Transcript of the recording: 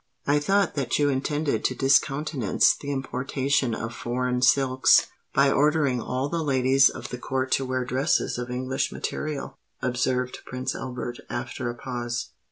"I thought that you intended to discountenance the importation of foreign silks, by ordering all the ladies of the Court to wear dresses of English material?" observed Prince Albert, after a pause.